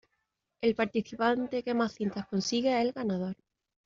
El participante que más cintas consigue es el ganador.